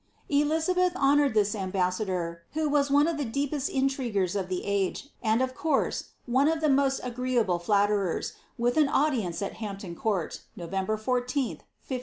* Elizabetli honoured this ambassador, who was one of the deepest in triguers of the age, and of course one of the most agreeable flatterers, with an audience at Hampton Court, November 14th, 1568.